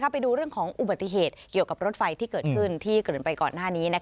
ไปดูเรื่องของอุบัติเหตุเกี่ยวกับรถไฟที่เกิดขึ้นที่เกิดไปก่อนหน้านี้